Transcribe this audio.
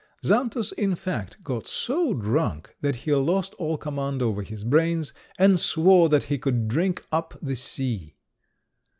Xantus, in fact, got so drunk that he lost all command over his brains, and swore that he could drink up the sea.